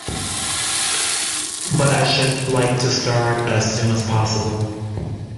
But I should like to start as soon as possible.